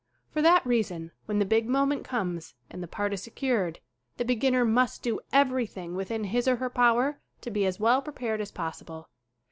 For that reason when the big moment comes, and the part is secured, the beginner must do everything within his or her power to be as well prepared as possible.